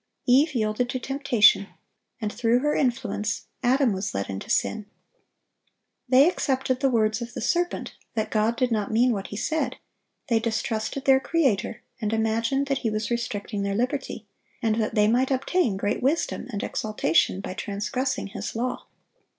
Eve yielded to temptation; and through her influence, Adam was led into sin. They accepted the words of the serpent, that God did not mean what He said; they distrusted their Creator, and imagined that He was restricting their liberty, and that they might obtain great wisdom and exaltation by transgressing His law.